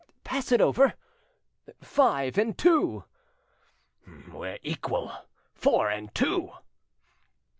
"Pass it over. Five and two." "We're equal. Four and two."